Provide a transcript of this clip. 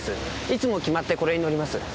いつも決まってこれに乗ります。